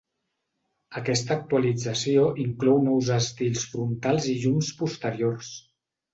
Aquesta actualització inclou nous estils frontals i llums posteriors.